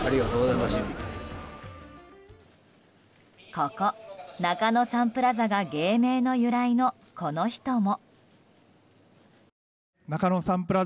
ここ、中野サンプラザが芸名の由来のこの人も。